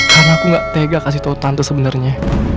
karena aku gak tega kasih tahu tante sebenarnya